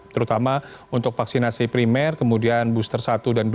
terutama untuk vaksinasi primer kemudian booster satu dan dua